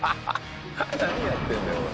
何やってるんだよこれ。